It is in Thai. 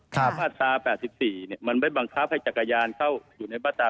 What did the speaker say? มาตรา๘๔มันไม่บังคับให้จักรยานเข้าอยู่ในมาตรา๑